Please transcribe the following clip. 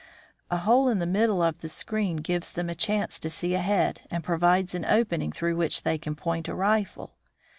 A hole in the middle of the screen gives them a chance to see ahead, and provides an opening through which they can point a rifle.